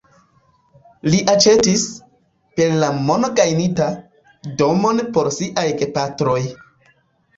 Li aĉetis, per la mono gajnita, domon por siaj gepatroj.